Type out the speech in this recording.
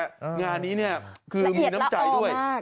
วันนี้เนี่ยคือมีน้ำใจด้วยละเอียดละออมาก